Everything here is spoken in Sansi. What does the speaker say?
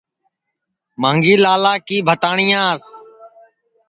مانگھی لالا کی بھتاٹؔیاس